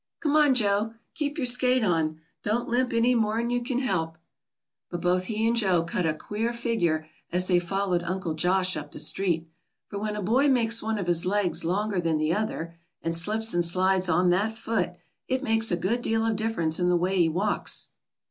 "Come on, Joe. Keep your skate on. Don't limp any more'n you can help." But both he and Joe cut a queer figure as they followed Uncle Josh up the street; for when a boy makes one of his legs longer than the other, and slips and slides on that foot, it makes a good deal of difference in the way he walks.